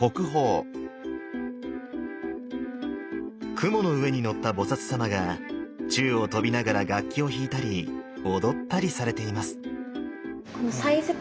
雲の上に乗った菩様が宙を飛びながら楽器を弾いたり踊ったりされています。